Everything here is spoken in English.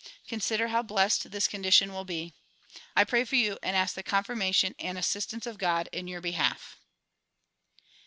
Consider how blessed this condition will be. I pray for you and ask the confirmation and assistance of God in your behalf.